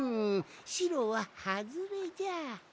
しろははずれじゃ。